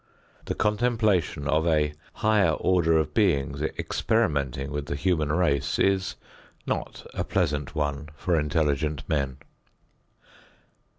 The contemplation of a higher order of beings experimenting with the human race is not a pleasant one for intelligent men.